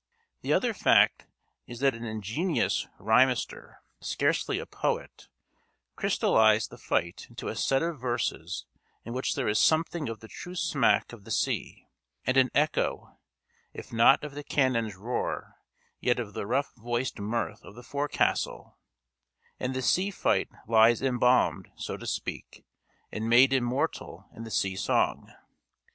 The other fact is that an ingenious rhymester scarcely a poet crystallised the fight into a set of verses in which there is something of the true smack of the sea, and an echo, if not of the cannon's roar, yet of the rough voiced mirth of the forecastle; and the sea fight lies embalmed, so to speak, and made immortal in the sea song.